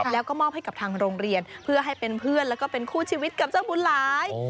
แล้วก็มอบให้กับทางโรงเรียนเพื่อให้เป็นเพื่อนแล้วก็เป็นคู่ชีวิตกับเจ้าบุญหลาย